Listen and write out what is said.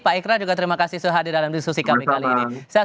pak ikra juga terima kasih sudah hadir dalam diskusi kami kali ini